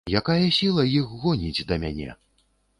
Якая сіла іх гоніць да мяне?